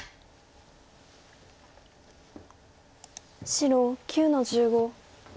白９の十五。